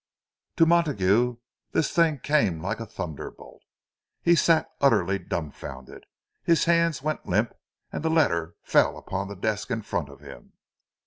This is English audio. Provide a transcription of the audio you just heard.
To Montague the thing came like a thunderbolt. He sat utterly dumbfounded—his hands went limp, and the letter fell upon the desk in front of him.